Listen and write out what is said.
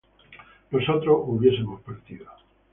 nosotros hubiésemos partido